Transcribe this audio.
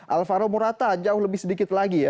alvaro morata jauh lebih sedikit lagi ya